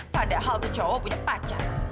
padahal itu cowok punya pacar